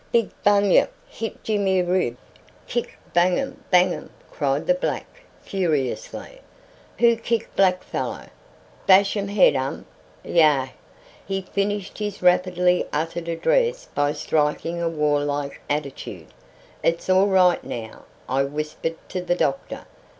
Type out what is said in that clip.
"Big bunyip hit Jimmy rib; kick, bangum, bangum!" cried the black furiously. "Who kick black fellow? Bash um head um! Yah!" He finished his rapidly uttered address by striking a warlike attitude. "It's all right now," I whispered to the doctor.